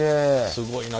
すごいな。